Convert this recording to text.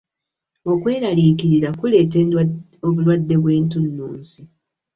Okweralikirira kuleta obulwadde bwe ntununsi.